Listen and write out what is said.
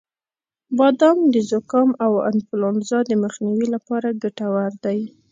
• بادام د زکام او انفلونزا د مخنیوي لپاره ګټور دی.